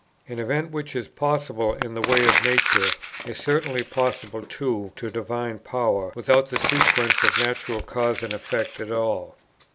An event which is possible in the way of nature, is certainly possible too to Divine Power without the sequence of natural cause and effect at all.